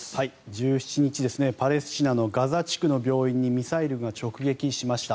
１７日パレスチナのガザ地区の病院にミサイルが直撃しました。